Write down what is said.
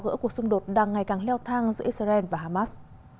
gỡ cuộc xung đột đang ngày càng leo thang giữa israel và hamas